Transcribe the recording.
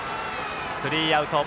スリーアウト。